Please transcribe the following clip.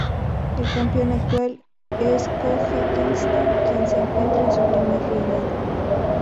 El campeón actual es Kofi Kingston, quien se encuentra en su primer reinado.